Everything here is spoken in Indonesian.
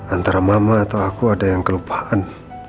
antara mama atau aku ada yang kelupaan